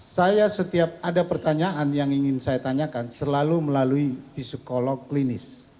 saya setiap ada pertanyaan yang ingin saya tanyakan selalu melalui psikolog klinis